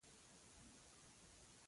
دوکاندار د شپې حساب کتاب سموي.